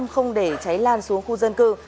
không để cháy lan xuống khu dân cư